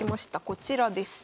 こちらです。